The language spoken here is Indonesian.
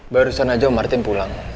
barusan aja martin pulang